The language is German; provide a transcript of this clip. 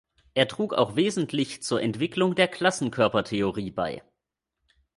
Er trug auch wesentlich zur Entwicklung der Klassenkörpertheorie bei.